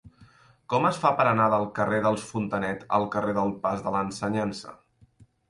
Com es fa per anar del carrer dels Fontanet al carrer del Pas de l'Ensenyança?